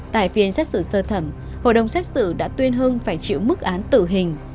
tại phiên xét xử sơ thẩm hội đồng xét xử đã tuyên hưng phải chịu mức án tử hình